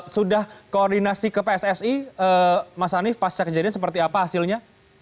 sudah koordinasi ke pssi mas hanif pasca kejadian seperti apa hasilnya